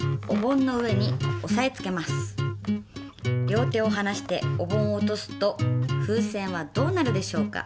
両手をはなしてお盆を落とすと風船はどうなるでしょうか？